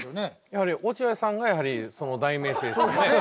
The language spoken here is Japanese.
やはり落合さんがやはりその代名詞ですからね。